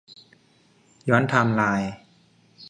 ย้อนไทม์ไลน์